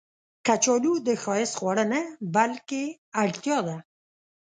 کچالو د ښایست خواړه نه، بلکې اړتیا ده